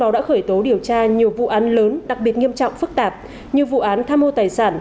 đã khởi tố điều tra nhiều vụ án lớn đặc biệt nghiêm trọng phức tạp như vụ án tham mô tài sản